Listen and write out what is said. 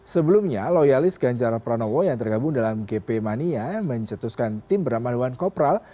sebelumnya loyalis ganjar pranowo yang tergabung dalam gp mania mencetuskan tim bernama dewan kopral